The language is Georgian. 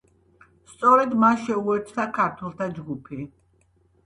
სწორედ მას შეუერთდა ქართველთა ჯგუფი.